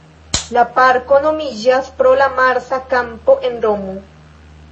La parko nomiĝas pro la Marsa Kampo en Romo.